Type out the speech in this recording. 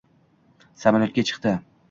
Samolyotga chiqdi